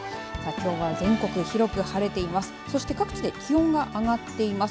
きょうは全国広く晴れています。